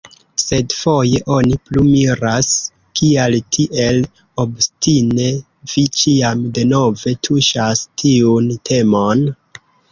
Sed, foje oni plu miras, kial tiel obstine vi ĉiam denove tuŝas tiun temon?